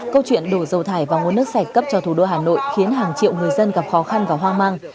câu chuyện đổ dầu thải vào nguồn nước sạch cấp cho thủ đô hà nội khiến hàng triệu người dân gặp khó khăn và hoang mang